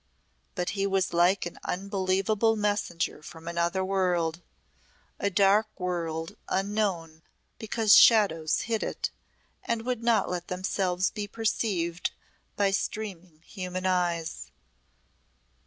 But he was like an unbelievable messenger from another world a dark world unknown, because shadows hid it, and would not let themselves be pierced by streaming human eyes.